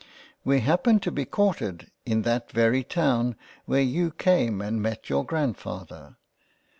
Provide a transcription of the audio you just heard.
We happened to be quartered in that very Town, where you came and met your Grandfather —